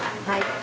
はい。